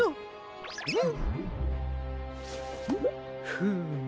フーム。